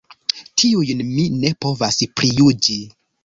Tiujn mi ne povas prijuĝi.